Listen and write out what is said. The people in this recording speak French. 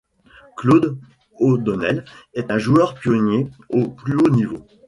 Claud O'Donnell est un joueur pionnier au plus haut niveau.